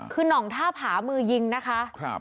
คือน่องท่าผามือยิงนะคะ